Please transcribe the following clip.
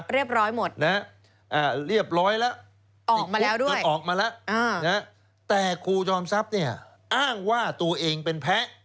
เรียบร้อยแล้วออกมาแล้วแต่ครูจอมทรัพย์เนี่ยอ้างว่าตัวเองเป็นแพ้